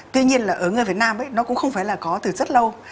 tuy nhiên là ở người việt nam ấy nó cũng không phải là có từ rất lâu